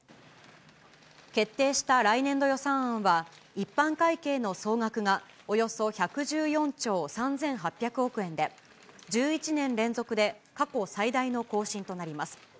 決定した来年度予算案は、一般会計の総額がおよそ１１４兆３８００億円で、１１年連続で過去最大の更新となります。